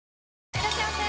いらっしゃいませ！